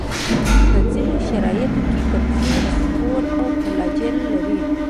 په ځینو شرایطو کې کپسول، سپور او فلاجیل لري.